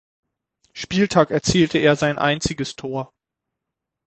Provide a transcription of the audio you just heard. Spieltag erzielte er sein einziges Tor.